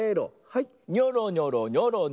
はい。